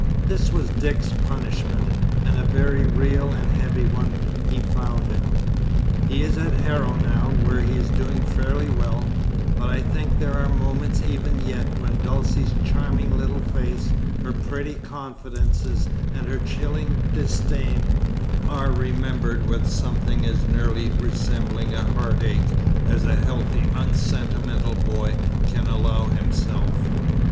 This was Dick's punishment, and a very real and heavy one he found it. He is at Harrow now, where he is doing fairly well; but I think there are moments even yet when Dulcie's charming little face, her pretty confidences, and her chilling disdain, are remembered with something as nearly resembling a heartache as a healthy unsentimental boy can allow himself.